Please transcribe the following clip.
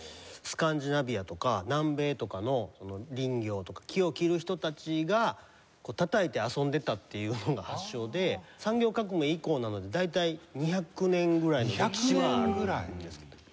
スカンディナビアとか南米とかの林業とか木を切る人たちがたたいて遊んでたっていうのが発祥で産業革命以降なので大体２００年ぐらいの歴史はあるんです。